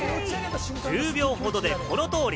１０秒ほどでこの通り。